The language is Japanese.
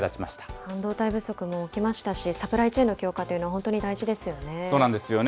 半導体不足も起きましたし、サプライチェーンの強化というのそうなんですよね。